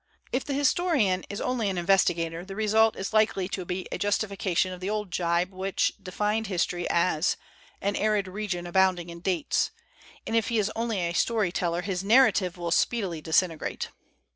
If the historian is only an investigator, the result is likely to be a justification of the old jibe which defined history as "an arid region abounding in dates"; and if he is only a story teller his narrative will speed ily disintegrate.